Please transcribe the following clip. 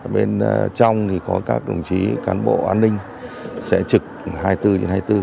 bên trong thì có các đồng chí cán bộ an ninh sẽ trực hai mươi bốn trên hai mươi bốn